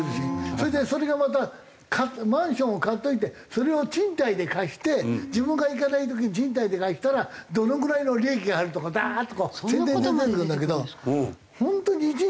それでそれがまたマンションを買っといてそれを賃貸で貸して自分が行かない時賃貸で貸したらどのぐらいの利益があるとかダーッとこう宣伝で出てくるんだけど本当に一日中見てられるよ。